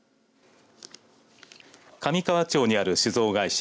上川町にある酒造会社